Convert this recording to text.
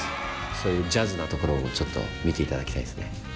そういうジャズなところもちょっと見ていただきたいですね。